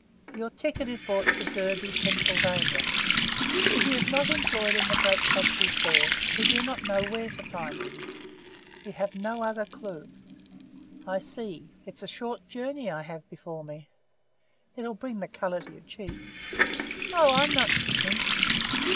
"Your ticket is bought to Derby, Pennsylvania. If he is not employed in the great factories there, we do not know where to find him. We have no other clew." "I see. It's a short journey I have before me." "It'll bring the colour to your cheeks." "Oh, I'm not kicking."